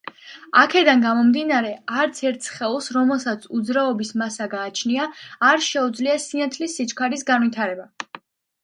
აქედან გამომდინარე, არც ერთ სხეულს, რომელსაც უძრაობის მასა გააჩნია, არ შეუძლია სინათლის სიჩქარის განვითარება.